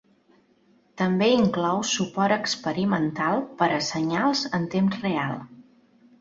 També inclou suport experimental per a senyals en temps real.